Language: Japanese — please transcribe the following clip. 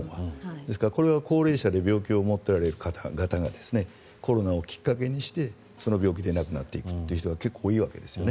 ですからこれは高齢者で病気を持っておられる方々がコロナをきっかけにしてその病気で亡くなっていくという人が結構多いわけですよね。